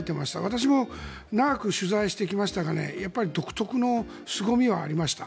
私も長く取材してきましたが独特のすごみがありました。